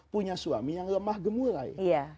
punya suami yang lemah gemulai